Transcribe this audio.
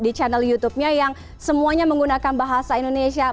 di channel youtubenya yang semuanya menggunakan bahasa indonesia